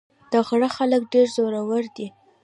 د غره خلک ډېر زړور دي.